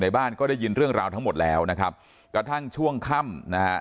บ้านก็ได้ยินเรื่องราวทั้งหมดแล้วนะครับกระทั่งช่วงค่ำนะฮะ